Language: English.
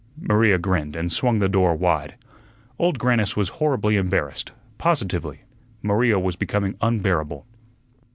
Maria grinned, and swung the door wide. Old Grannis was horribly embarrassed; positively, Maria was becoming unbearable.